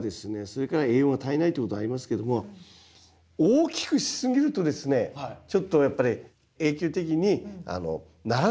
それから栄養が足りないっていうことがありますけども大きくしすぎるとですねちょっとやっぱり永久的にならなくなってしまうことがあるんですよね。